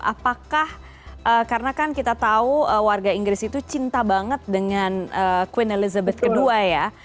apakah karena kan kita tahu warga inggris itu cinta banget dengan queen elizabeth ii ya